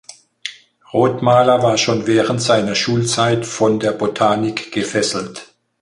Rothmaler war schon während seiner Schulzeit von der Botanik gefesselt.